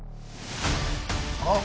あっ。